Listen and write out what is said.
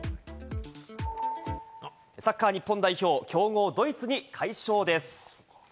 サッカー日本代表、強豪・ドイツに快勝です。